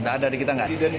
tidak ada di kita